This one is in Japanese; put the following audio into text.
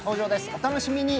お楽しみに。